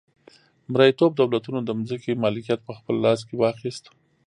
مرئیتوب دولتونو د ځمکې مالکیت په خپل لاس کې واخیست.